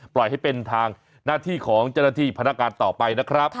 ปล่อยให้เป็นทางหน้าที่ของเจ้าหน้าที่พนักการต่อไปนะครับ